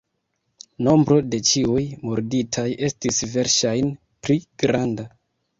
Nombro de ĉiuj murditaj estis verŝajne pli granda.